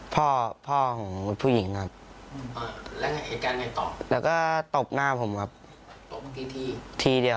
ใครเป็นคนถือมีด